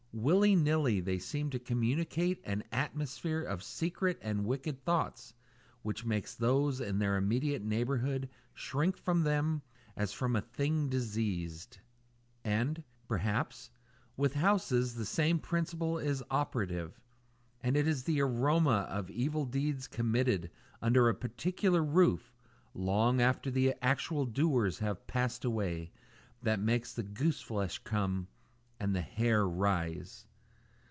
Willy nilly, they seem to communicate an atmosphere of secret and wicked thoughts which makes those in their immediate neighbourhood shrink from them as from a thing diseased. And, perhaps, with houses the same principle is operative, and it is the aroma of evil deeds committed under a particular roof, long after the actual doers have passed away, that makes the gooseflesh come and the hair rise.